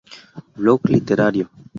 Blog literario